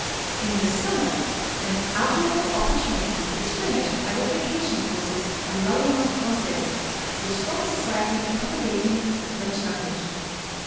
In the summer an admirable opportunity is fur nished by the vacation courses of "L'Alliance Francaise," the strong society for propagating the French language.